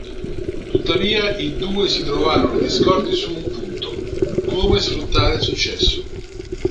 Tuttavia i due si trovarono discordi su un punto: come sfruttare il successo.